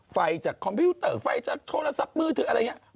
ไฟจากคอมพิวเตอร์ไฟจากโทรศัพท์มือถืออะไรอย่างนี้